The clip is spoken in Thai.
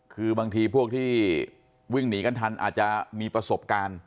คือบางทีพวกที่วิ่งหนีกันทันอาจจะมีประสบการณ์